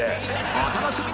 お楽しみに！